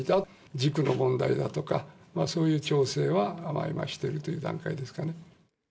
字句の問題だとか、そういう調整は今しているという段階ですかね。